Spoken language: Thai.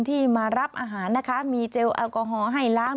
ที่มารับอาหารนะคะมีเจลแอลกอฮอล์ให้ล้าง